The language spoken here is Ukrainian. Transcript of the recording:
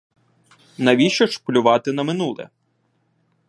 Навіщо ж плювати на минуле?